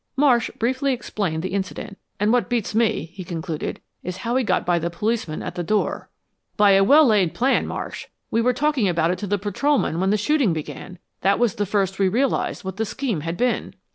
Marsh briefly explained the incident. "And what beats me," he concluded, "is how he got by the policeman at the door." "By a well laid plan, Marsh. We were talking about it to the patrolman when the shooting began. That was the first we realized what the scheme had been."